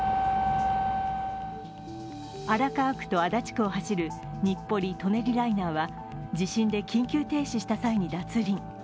荒川区と足立区を走る日暮里・舎人ライナーは、地震で緊急停止した際に脱輪。